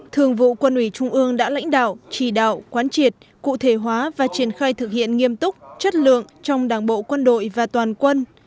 thường vụ quân ủy trung ương đã lãnh đạo chỉ đạo quán triệt cụ thể hóa và triển khai thực hiện nghiêm túc chất lượng trong đảng bộ quân đội và toàn quân